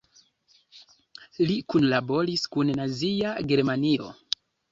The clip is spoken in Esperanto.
Li kunlaboris kun Nazia Germanio.